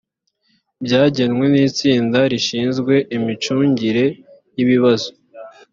byagenwe n itsinda rishinzwe imicungire y ibibazo